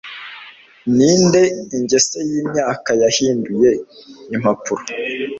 Ninde ingese yimyaka yahinduye impapuro